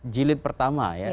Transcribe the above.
jilid pertama ya